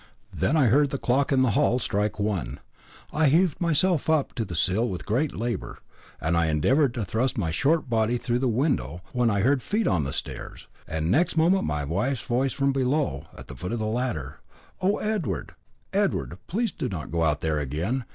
Then I heard the clock in the hall strike one. I heaved myself up to the sill with great labour, and I endeavoured to thrust my short body through the window, when I heard feet on the stairs, and next moment my wife's voice from below, at the foot of the ladder. "Oh, Edward, Edward! please do not go out there again.